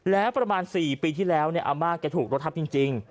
แล้วประมาณ๔ปีที่แล้วอาม่าแกถูกรถทับจริง